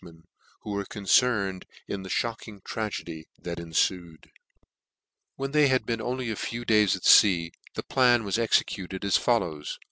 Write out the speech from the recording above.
men who were concerned in the fliocking tragedy that enfued. When they had been only a few days at fea, the plan was executed as follows.